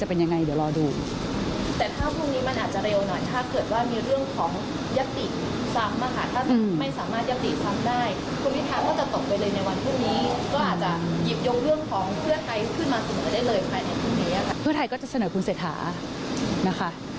เพื่อไทยก็จะเสนอคุณเสถานะคะ